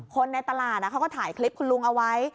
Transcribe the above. คนในตลาดเขาก็ถ่ายคลิปคุณลุงเอาไว้